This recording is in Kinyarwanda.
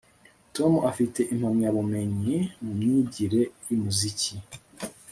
Tom afite impamyabumenyi mu myigire yumuziki